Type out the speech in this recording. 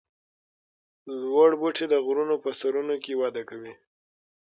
لوړ بوټي د غرونو په سرونو کې وده کوي